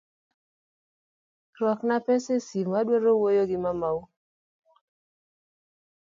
Ruakna pesani esimu adwaro wuoyo gi mamau.